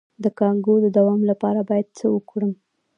د کانګو د دوام لپاره باید څه وکړم؟